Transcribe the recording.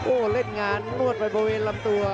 โอ้โหเล่นงานนวดไปบริเวณลำตัว